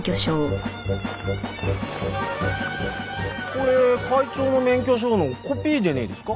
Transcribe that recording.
これ会長の免許証のコピーでねえですか？